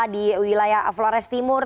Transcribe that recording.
di wilayah flores timur